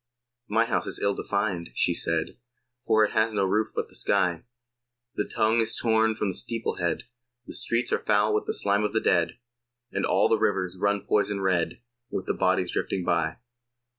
My house is ill to find, she said, For it has no roof but the sky; The tongue is torn from the steeple head, The streets are foul with the slime of the dead, And all the rivers run poison red With the bodies drifting by.